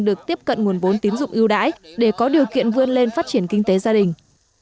được tiếp cận nguồn vốn tín dụng ưu đãi để có điều kiện vươn lên phát triển kinh tế gia đình